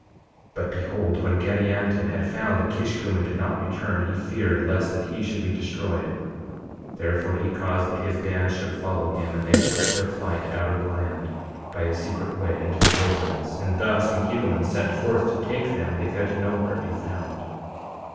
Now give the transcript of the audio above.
2:11 But behold, when Gadianton had found that Kishkumen did not return he feared lest that he should be destroyed; therefore he caused that his band should follow him. And they took their flight out of the land, by a secret way, into the wilderness; and thus when Helaman sent forth to take them they could nowhere be found.